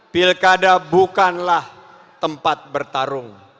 pilkada bukanlah tempat bertarung